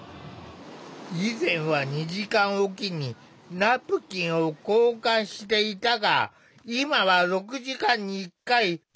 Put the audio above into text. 以前は２時間置きにナプキンを交換していたが今は６時間に１回。